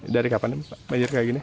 dari kapan banjir kayak gini